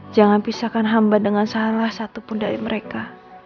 jangan pisahkan hamba dengan salah satupun dari mereka